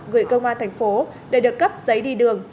gửi công an thành phố để được cấp giấy đi đường